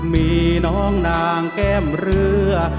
มีน้องนางแก้มเรือ